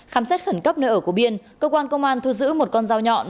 khám xét khẩn cấp nơi ở của biên cơ quan công an thu giữ một con dao nhọn